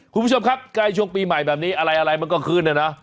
คุณผู้ชมครับใกล้ช่วงปีใหม่แบบนี้อะไรมันก็ขึ้นนะนะ